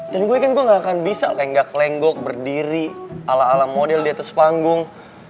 dan gue kan gak akan bisa lenggak lenggok berdiri ala ala model di atas panggung